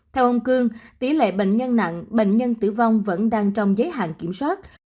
theo ông cương tỷ lệ bệnh nhân nặng bệnh nhân tử vong vẫn đang trong giới hạn kiểm soát